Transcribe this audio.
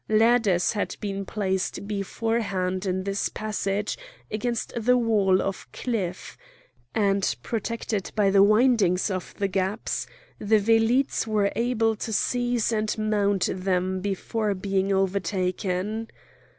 Ladders had been placed beforehand in this passage against the wall of cliff; and, protected by the windings of the gaps, the velites were able to seize and mount them before being overtaken.